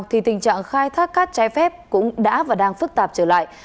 thì tình trạng khai thác cát trái phép cũng đã và đang phức tạp trở lại